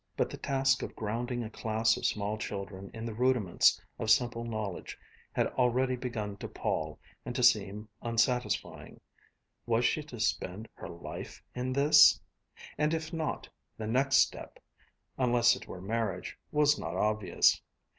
But the task of grounding a class of small children in the rudiments of simple knowledge had already begun to pall and to seem unsatisfying. Was she to spend her life in this? And if not, the next step, unless it were marriage, was not obvious.